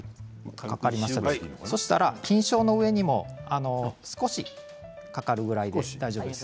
そうしたら菌床の上にも少しかかるぐらいで大丈夫です。